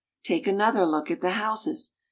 Take another look at the houses !